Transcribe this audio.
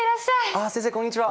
あ先生こんにちは。